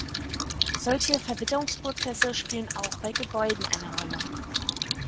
Solche Verwitterungsprozesse spielen auch bei Gebäuden eine Rolle.